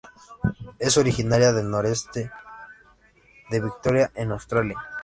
Es originaria del nordeste de Victoria, en Australia.